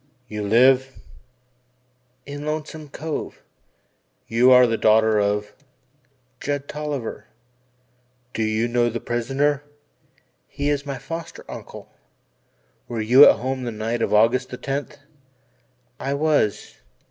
"You live " "In Lonesome Cove." "You are the daughter of " "Judd Tolliver." "Do you know the prisoner?" "He is my foster uncle." "Were you at home on the night of August the tenth?" "I was."